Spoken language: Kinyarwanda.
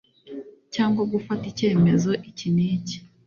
cyangwa gufata icyemezo iki n iki